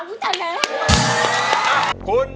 คุณยิ่งยงร้อง